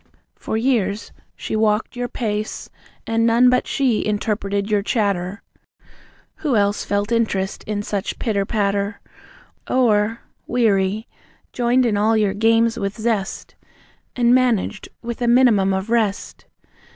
For years she walked your pace, And none but she interpreted your chatter. Who else felt interest in such pitter patter? Or, weary, joined in all your games with zest, And managed with a minimum of rest?